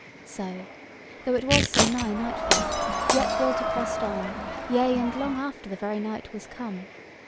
So, though it was so nigh nightfall, yet Walter pressed on, yea, and long after the very night was come.